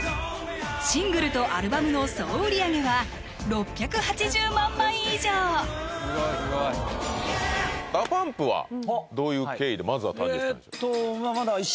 シングルとアルバムの総売り上げは６８０万枚以上すごいすごい「ＤＡＰＵＭＰ」はどういう経緯でまずは誕生したんでしょう？